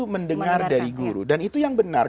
mendengar dari guru dan itu yang benar